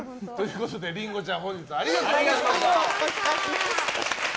りんごちゃん本日はありがとうございました。